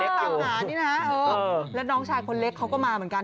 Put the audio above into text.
ตามหานี่นะแล้วน้องชายคนเล็กเขาก็มาเหมือนกัน